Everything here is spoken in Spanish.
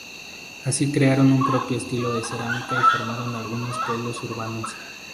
Así, crearon un propio estilo de cerámica y formaron algunos pueblos urbanos.